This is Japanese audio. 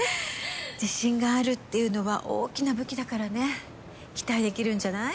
自信があるっていうのは大きな武器だからね期待できるんじゃない？